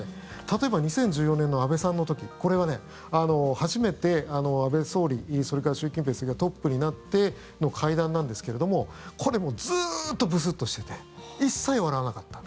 例えば２０１４年の安倍さんの時これは初めて安倍総理、それから習近平主席がトップになっての会談なんですけどもこれ、ずっとブスッとしていて一切笑わなかった。